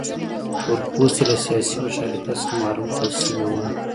تور پوستي له سیاسي مشارکت څخه محروم کړل شوي وو.